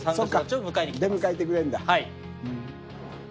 出迎えてくれるんだ。